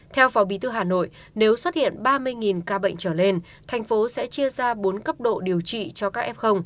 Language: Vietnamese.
theo phó bí thư hà nội nếu xuất hiện ba mươi ca bệnh trở lên thành phố sẽ chia ra bốn cấp độ điều trị cho các f